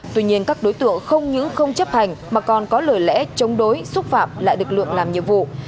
tuy nhiên các đối tượng không những không chấp hành mà còn có lời lẽ chống đối xúc phạm lại lực lượng làm nhiệm vụ